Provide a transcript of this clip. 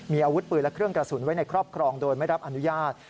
มีอาวุธปืนและเครื่องกระสุนไว้ในครอบครองโดยไม่รับอนุญาต